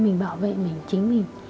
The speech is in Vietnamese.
mình bảo vệ mình chính mình